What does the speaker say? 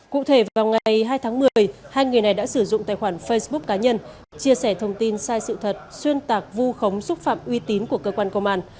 cụ thể vào ngày hai tháng một mươi hai người này đã sử dụng tài khoản facebook cá nhân chia sẻ thông tin sai sự thật xuyên tạc vu khống xúc phạm uy tín của cơ quan công an